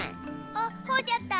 あっほうじゃった。